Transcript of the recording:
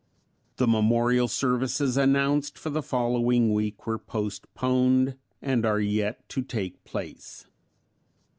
The memorial services announced for the following week were postponed and are yet to take place.